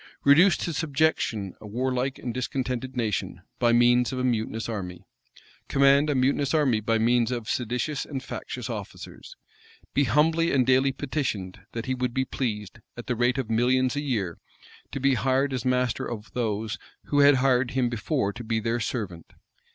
Reduce to subjection a warlike and discontented nation, by means of a mutinous army? Command a mutinous army by means of seditious and factious officers? Be humbly and daily petitioned, that he would be pleased, at the rate of millions a year, to be hired as master of those who had hired him before to be their servant?